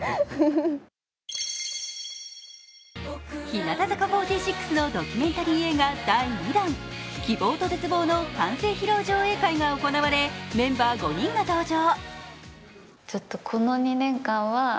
日向坂４６のドキュメンタリー映画第２弾、「希望と絶望」の完成披露上映会が行われ、メンバー５人が登場。